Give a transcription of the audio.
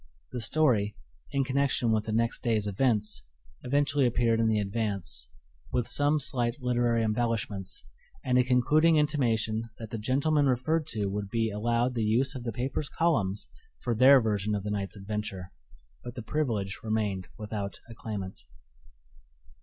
The story (in connection with the next day's events) eventually appeared in the Advance, with some slight literary embellishments and a concluding intimation that the gentlemen referred to would be allowed the use of the paper's columns for their version of the night's adventure. But the privilege remained without a claimant.